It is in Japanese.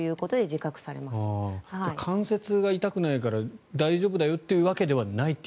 じゃあ関節が痛くないから大丈夫だというわけではないと。